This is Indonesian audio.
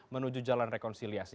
menuju jalan rekonsiliasi